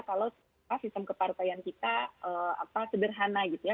kalau sistem kepartaian kita sederhana gitu ya